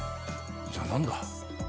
じゃあ何だ？